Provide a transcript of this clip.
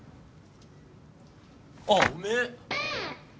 あっおめえ